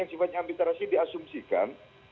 yang simpan administrasi diasumsikan